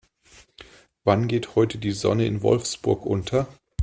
Wann geht heute die Sonne in Wolfsburg unter?